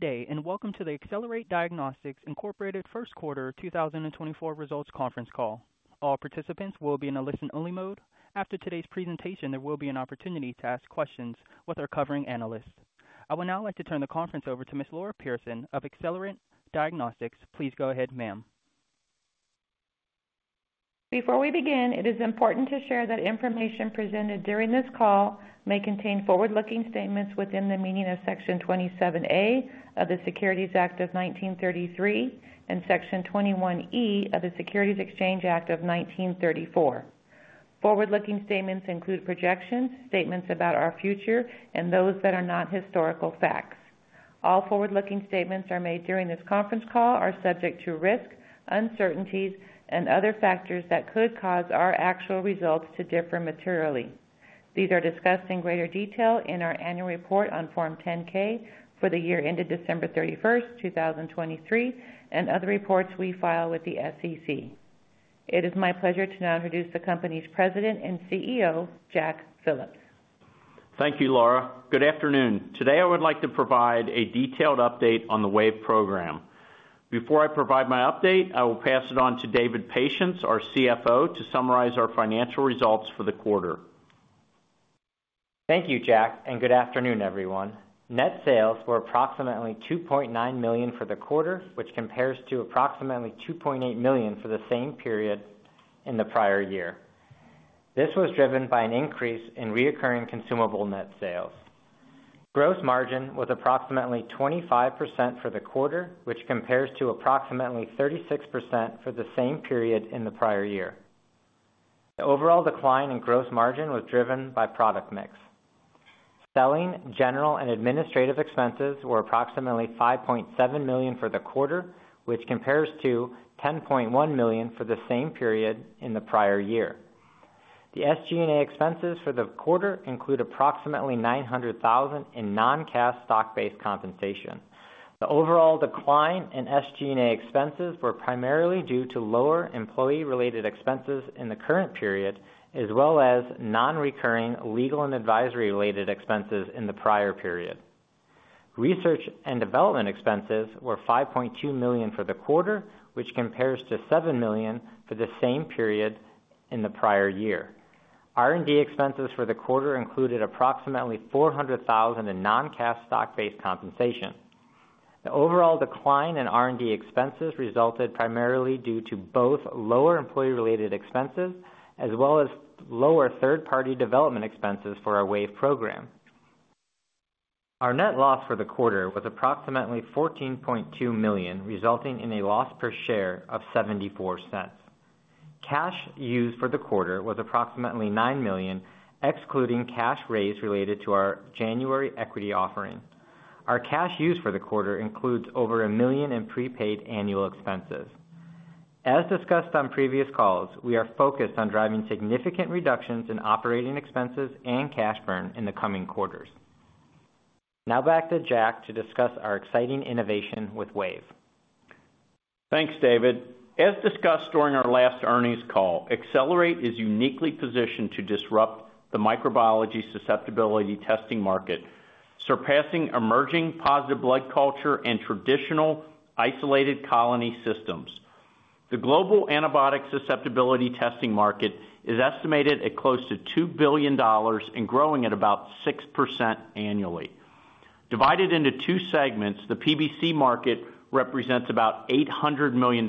Good day, and welcome to the Accelerate Diagnostics Incorporated First Quarter 2024 Results Conference Call. All participants will be in a listen-only mode. After today's presentation, there will be an opportunity to ask questions with our covering analysts. I would now like to turn the conference over to Ms. Laura Pierson of Accelerate Diagnostics. Please go ahead, ma'am. Before we begin, it is important to share that information presented during this call may contain forward-looking statements within the meaning of Section 27A of the Securities Act of 1933 and Section 21E of the Securities Exchange Act of 1934. Forward-looking statements include projections, statements about our future, and those that are not historical facts. All forward-looking statements are made during this conference call are subject to risk, uncertainties, and other factors that could cause our actual results to differ materially. These are discussed in greater detail in our annual report on Form 10-K for the year ended 31 December, 2023, and other reports we file with the SEC. It is my pleasure to now introduce the company's President and CEO, Jack Phillips. Thank you, Laura. Good afternoon. Today, I would like to provide a detailed update on the Wave program. Before I provide my update, I will pass it on to David Patience, our CFO, to summarize our financial results for the quarter. Thank you, Jack, and good afternoon, everyone. Net sales were approximately $2.9 million for the quarter, which compares to approximately $2.8 million for the same period in the prior year. This was driven by an increase in recurring consumable net sales. Gross margin was approximately 25% for the quarter, which compares to approximately 36% for the same period in the prior year. The overall decline in gross margin was driven by product mix. Selling, general, and administrative expenses were approximately $5.7 million for the quarter, which compares to $10.1 million for the same period in the prior year. The SG&A expenses for the quarter include approximately $900,000 in non-cash stock-based compensation. The overall decline in SG&A expenses were primarily due to lower employee-related expenses in the current period, as well as non-recurring legal and advisory-related expenses in the prior period. Research and development expenses were $5.2 million for the quarter, which compares to $7 million for the same period in the prior year. R&D expenses for the quarter included approximately $400,000 in non-cash stock-based compensation. The overall decline in R&D expenses resulted primarily due to both lower employee-related expenses as well as lower third-party development expenses for our Wave program. Our net loss for the quarter was approximately $14.2 million, resulting in a loss per share of $0.74. Cash used for the quarter was approximately $9 million, excluding cash raised related to our January equity offering. Our cash used for the quarter includes over $1 million in prepaid annual expenses. As discussed on previous calls, we are focused on driving significant reductions in operating expenses and cash burn in the coming quarters. Now back to Jack to discuss our exciting innovation with Wave. Thanks, David. As discussed during our last earnings call, Accelerate is uniquely positioned to disrupt the microbiology susceptibility testing market, surpassing emerging positive blood culture and traditional isolated colony systems. The global antibiotic susceptibility testing market is estimated at close to $2 billion and growing at about 6% annually. Divided into two segments, the PBC market represents about $800 million,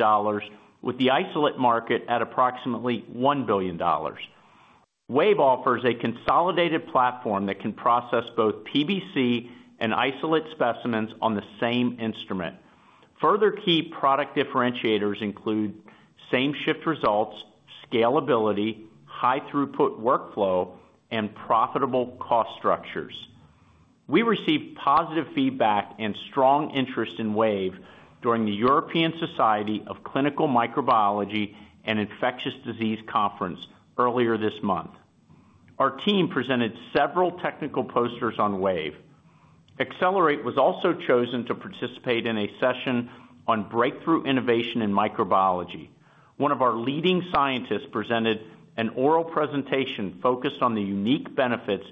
with the isolate market at approximately $1 billion. Wave offers a consolidated platform that can process both PBC and isolate specimens on the same instrument. Further key product differentiators include same-shift results, scalability, high throughput workflow, and profitable cost structures. We received positive feedback and strong interest in Wave during the European Society of Clinical Microbiology and Infectious Disease Conference earlier this month. Our team presented several technical posters on Wave. Accelerate was also chosen to participate in a session on breakthrough innovation in microbiology. One of our leading scientists presented an oral presentation focused on the unique benefits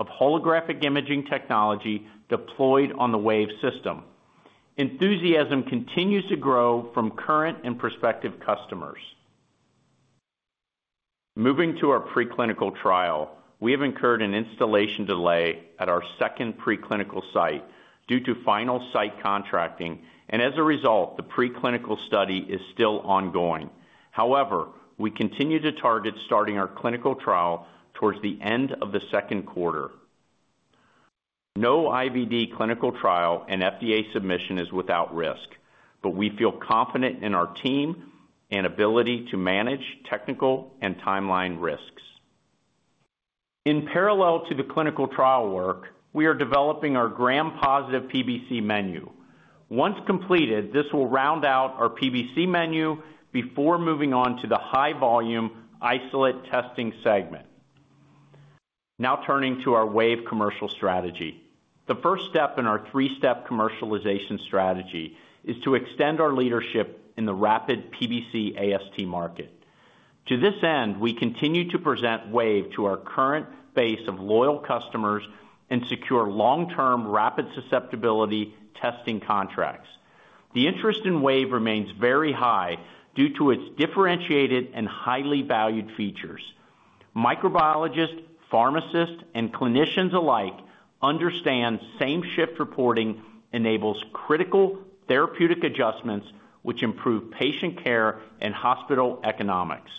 of holographic imaging technology deployed on the Wave system. Enthusiasm continues to grow from current and prospective customers. Moving to our preclinical trial, we have incurred an installation delay at our second preclinical site due to final site contracting, and as a result, the preclinical study is still ongoing. However, we continue to target starting our clinical trial towards the end of the second quarter. No IVD clinical trial and FDA submission is without risk, but we feel confident in our team and ability to manage technical and timeline risks. In parallel to the clinical trial work, we are developing our Gram-positive PBC menu. Once completed, this will round out our PBC menu before moving on to the high-volume isolate testing segment. Now turning to our Wave commercial strategy. The first step in our three-step commercialization strategy is to extend our leadership in the rapid PBC AST market. To this end, we continue to present Wave to our current base of loyal customers and secure long-term rapid susceptibility testing contracts. The interest in Wave remains very high due to its differentiated and highly valued features. Microbiologists, pharmacists, and clinicians alike understand same-shift reporting enables critical therapeutic adjustments, which improve patient care and hospital economics.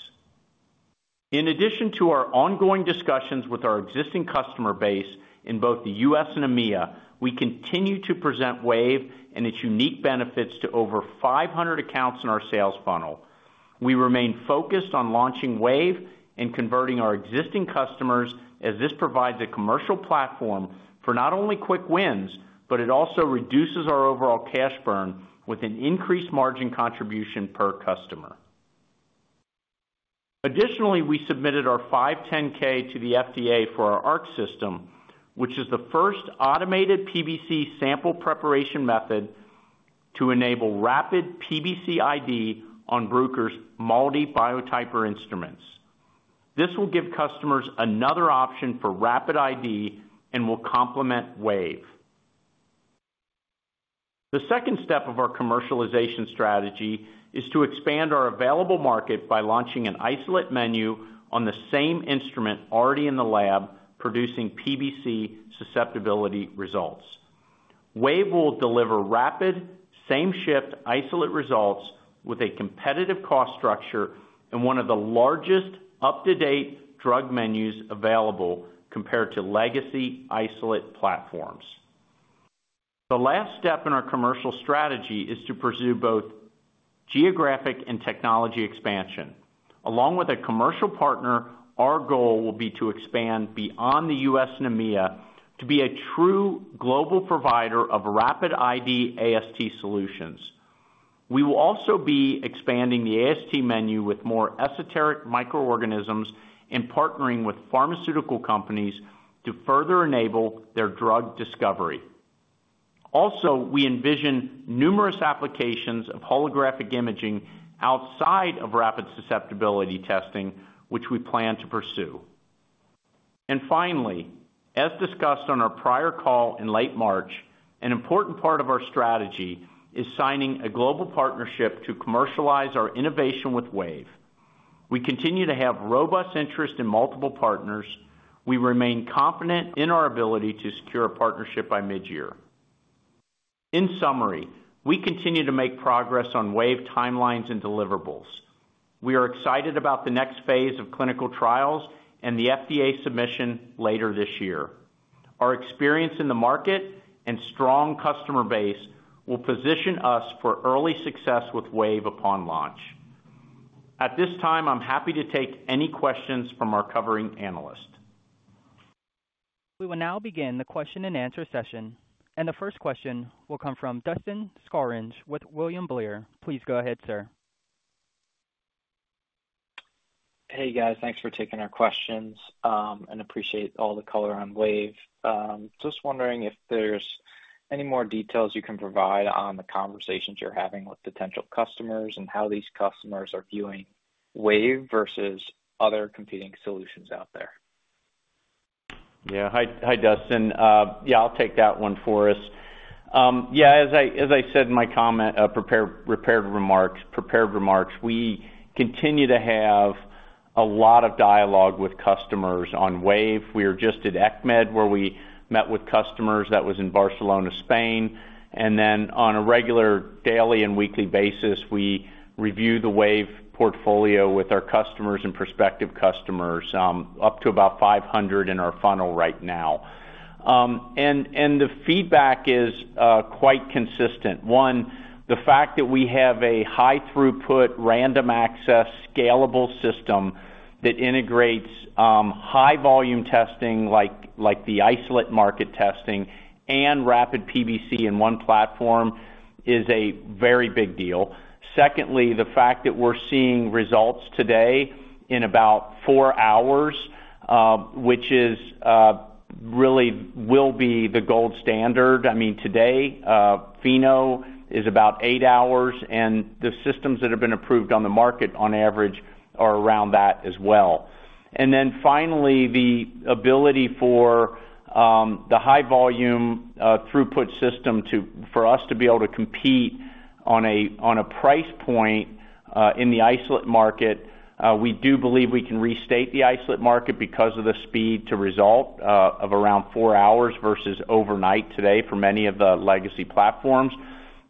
In addition to our ongoing discussions with our existing customer base in both the U.S and EMEA, we continue to present Wa and its unique benefits to over 500 accounts in our sales funnel. We remain focused on launching Wave and converting our existing customers, as this provides a commercial platform for not only quick wins, but it also reduces our overall cash burn with an increased margin contribution per customer. Additionally, we submitted our 510(k) to the FDA for our Arc System, which is the first automated PBC sample preparation method to enable rapid PBC ID on Bruker's MALDI Biotyper instruments. This will give customers another option for rapid ID and will complement Wave. The second step of our commercialization strategy is to expand our available market by launching an isolate menu on the same instrument already in the lab, producing PBC susceptibility results. Wave will deliver rapid, same-shift isolate results with a competitive cost structure and one of the largest up-to-date drug menus available compared to legacy isolate platforms. The last step in our commercial strategy is to pursue both geographic and technology expansion. Along with a commercial partner, our goal will be to expand beyond the US and EMEA to be a true global provider of rapid ID AST solutions. We will also be expanding the AST menu with more esoteric microorganisms and partnering with pharmaceutical companies to further enable their drug discovery. Also, we envision numerous applications of holographic imaging outside of rapid susceptibility testing, which we plan to pursue. And finally, as discussed on our prior call in late March, an important part of our strategy is signing a global partnership to commercialize our innovation with Wave. We continue to have robust interest in multiple partners. We remain confident in our ability to secure a partnership by mid-year. In summary, we continue to make progress on Wave timelines and deliverables. We are excited about the next phase of clinical trials and the FDA submission later this year. Our experience in the market and strong customer base will position us for early success with Wave upon launch. At this time, I'm happy to take any questions from our covering analysts. We will now begin the question-and-answer session, and the first question will come from Dustin Scaringe with William Blair. Please go ahead, sir. Hey, guys. Thanks for taking our questions, and appreciate all the color on Wave. Just wondering if there's any more details you can provide on the conversations you're having with potential customers and how these customers are viewing Wave versus other competing solutions out there? Yeah. Hi, Dustin. Yeah, I'll take that one for us. Yeah, as I said in my comment, prepared remarks, we continue to have a lot of dialogue with customers on Wave. We are just at ECCMID, where we met with customers. That was in Barcelona, Spain. Then on a regular, daily, and weekly basis, we review the Wave portfolio with our customers and prospective customers, up to about 500 in our funnel right now. The feedback is quite consistent. One, the fact that we have a high-throughput, random-access, scalable system that integrates high-volume testing, like the isolate market testing and rapid PBC in one platform, is a very big deal. Secondly, the fact that we're seeing results today in about 4 hours, which really will be the gold standard. I mean, today, Pheno is about eight hours, and the systems that have been approved on the market on average are around that as well. And then finally, the ability for the high-volume throughput system to for us to be able to compete on a on a price point in the isolate market, we do believe we can restate the isolate market because of the speed to result of around four hours versus overnight today for many of the legacy platforms.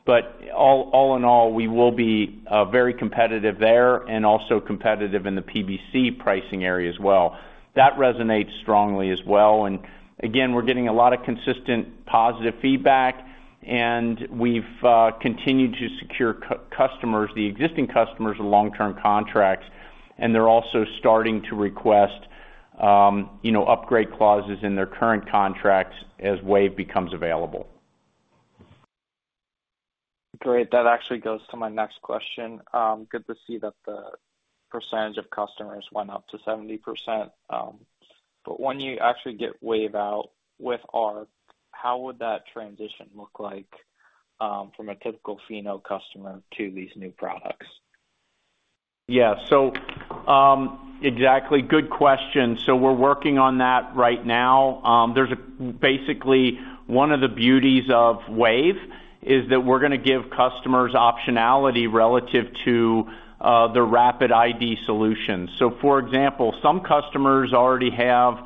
But all all in all, we will be very competitive there and also competitive in the PBC pricing area as well. That resonates strongly as well. And again, we're getting a lot of consistent, positive feedback, and we've continued to secure customers, the existing customers, long-term contracts, and they're also starting to request, you know, upgrade clauses in their current contracts as Wave becomes available. Great. That actually goes to my next question. Good to see that the percentage of customers went up to 70%. But when you actually get Wave out with Arc, how would that transition look like, from a typical Pheno customer to these new products? Yeah, so, exactly, good question. So we're working on that right now. There's basically one of the beauties of Wave is that we're gonna give customers optionality relative to the rapid ID solutions. So for example, some customers already have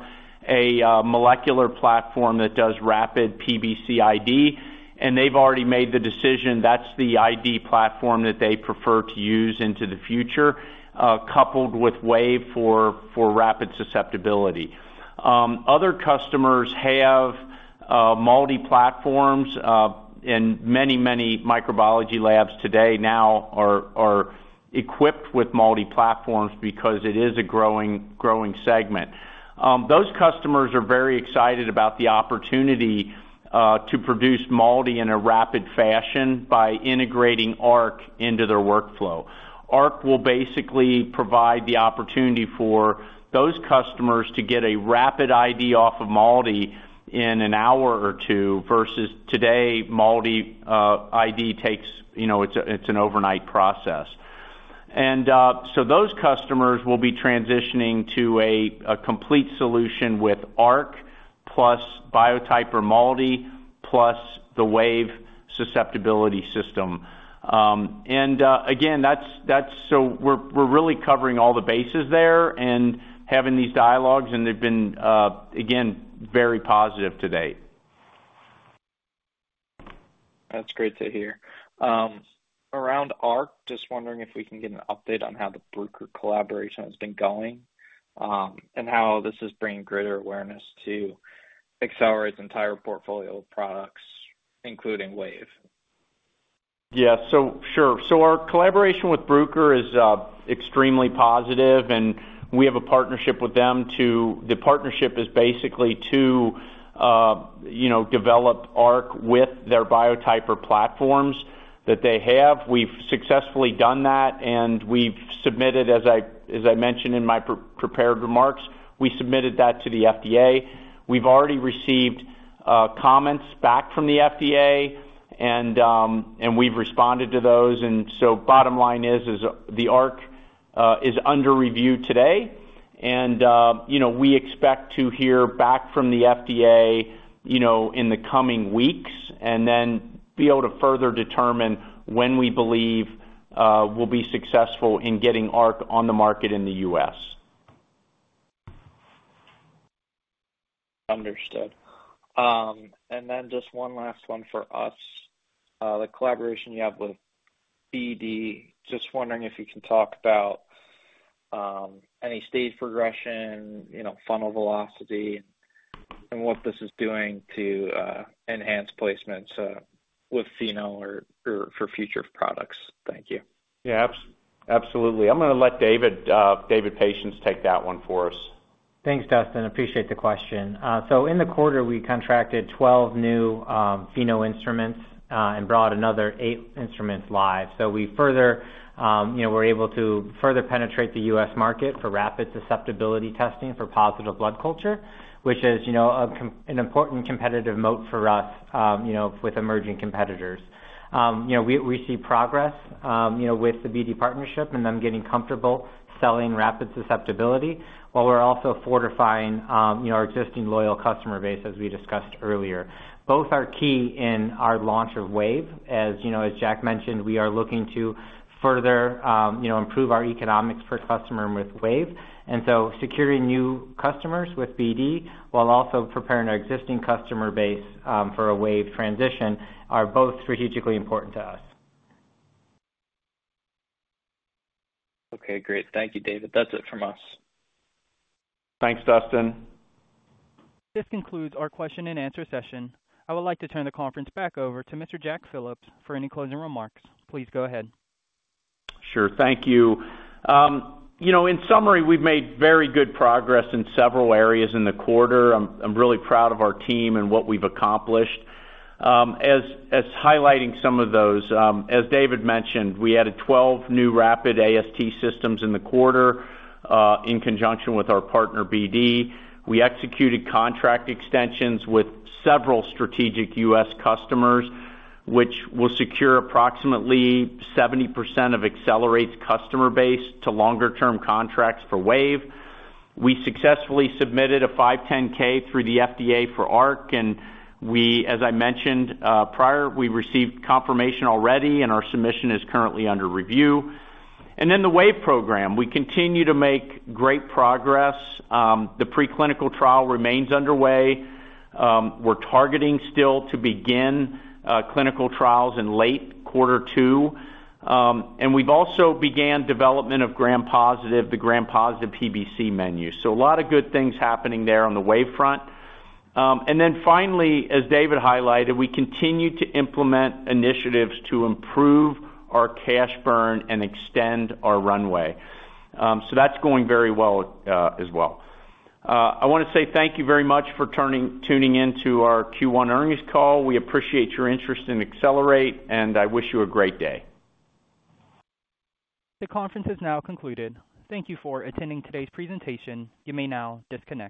a molecular platform that does rapid PBC ID, and they've already made the decision, that's the ID platform that they prefer to use into the future, coupled with Wave for rapid susceptibility. Other customers have MALDI platforms, and many microbiology labs today are equipped with MALDI platforms because it is a growing segment. Those customers are very excited about the opportunity to produce MALDI in a rapid fashion by integrating Arc into their workflow. Arc will basically provide the opportunity for those customers to get a rapid ID off of MALDI in an hour or two, versus today, MALDI ID takes, you know, it's an overnight process. And so those customers will be transitioning to a complete solution with Arc, plus Biotyper MALDI, plus the Wave susceptibility system. And again, that's so we're really covering all the bases there and having these dialogues, and they've been again very positive to date. That's great to hear. Around Arc, just wondering if we can get an update on how the Bruker collaboration has been going, and how this is bringing greater awareness to Accelerate's entire portfolio of products, including Wave. Yeah, so sure. So our collaboration with Bruker is extremely positive, and we have a partnership with them to... The partnership is basically to, you know, develop Arc with their Biotyper platforms that they have. We've successfully done that, and we've submitted, as I mentioned in my prepared remarks, we submitted that to the FDA. We've already received comments back from the FDA, and we've responded to those, and so bottom line is the Ar is under review today. And, you know, we expect to hear back from the FDA, you know, in the coming weeks, and then be able to further determine when we believe we'll be successful in getting Arc on the market in the U.S. Understood. And then just one last one for us. The collaboration you have with BD, just wondering if you can talk about, any stage progression, you know, funnel velocity, and what this is doing to, enhance placements, with Pheno or for future products. Thank you. Yeah, absolutely. I'm gonna let David Patience take that one for us. Thanks, Dustin. Appreciate the question. So in the quarter, we contracted 12 new Pheno instruments, and brought another 8 instruments live. So we further, you know, we're able to further penetrate the U.S market for rapid susceptibility testing for positive blood culture, which is, you know, an important competitive moat for us, you know, with emerging competitors. You know, we, we see progress, you know, with the BD partnership and them getting comfortable selling rapid susceptibility, while we're also fortifying, you know, our existing loyal customer base, as we discussed earlier. Both are key in our launch of Wave. As you know, as Jack mentioned, we are looking to further, you know, improve our economics per customer with Wave. Securing new customers with BD, while also preparing our existing customer base, for a Wave transition, are both strategically important to us. Okay, great. Thank you, David. That's it from us. Thanks, Dustin. This concludes our question and answer session. I would like to turn the conference back over to Mr. Jack Phillips for any closing remarks. Please go ahead. Sure. Thank you. You know, in summary, we've made very good progress in several areas in the quarter. I'm really proud of our team and what we've accomplished. Highlighting some of those, as David mentioned, we added 12 new rapid AST systems in the quarter, in conjunction with our partner, BD. We executed contract extensions with several strategic U.S. customers, which will secure approximately 70% of Accelerate's customer base to longer term contracts for Wave. We successfully submitted a 510(k) through the FDA for Arc, and we, as I mentioned, prior, we received confirmation already, and our submission is currently under review. And then the Wave program, we continue to make great progress. The preclinical trial remains underway. We're targeting still to begin, clinical trials in late quarter two. And we've also began development of Gram-positive, the Gram-positive PBC menu. So a lot of good things happening there on the Wave front. And then finally, as David highlighted, we continue to implement initiatives to improve our cash burn and extend our runway. So that's going very well, as well. I wanna say thank you very much for tuning in to our Q1 earnings call. We appreciate your interest in Accelerate, and I wish you a great day. The conference is now concluded. Thank you for attending today's presentation. You may now disconnect.